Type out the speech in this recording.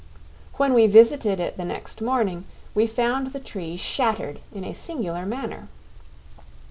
When we visited it the next morning, we found the tree shattered in a singular manner.